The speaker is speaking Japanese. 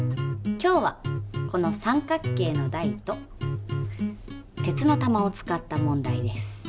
今日はこの三角形の台と鉄の玉を使った問題です。